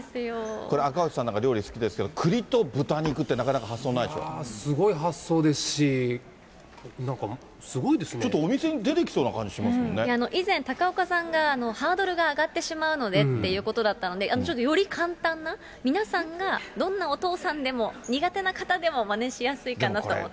これ、赤星さん、料理好きですけど、クリと豚肉ってなかなかすごい発想ですし、なんかすちょっとお店に出てきそうな以前、高岡さんがハードルが上がってしまうのでってことだったので、ちょっとより簡単な皆さんが、どんなお父さんでも苦手な方でもまねしやすいかなと思って。